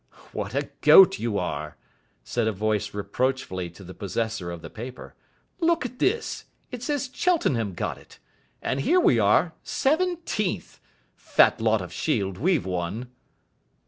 "What a goat you are!" said a voice reproachfully to the possessor of the paper. "Look at this. It says Cheltenham got it. And here we are seventeenth. Fat lot of shield we've won."